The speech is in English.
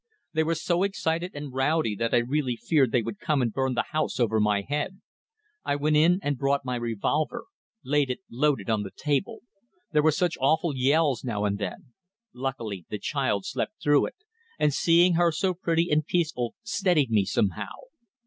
They were so excited and rowdy that I really feared they would come and burn the house over my head. I went and brought my revolver. Laid it loaded on the table. There were such awful yells now and then. Luckily the child slept through it, and seeing her so pretty and peaceful steadied me somehow.